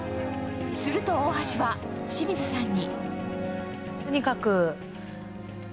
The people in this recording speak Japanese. すると大橋は清水さんに。